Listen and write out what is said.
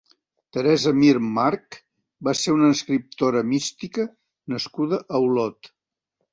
Teresa Mir March va ser una escriptora mística nascuda a Olot.